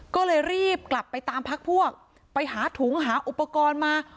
ก็เลยรีบกลับไปตามพักพวกไปหาถุงหาอุปกรณ์มา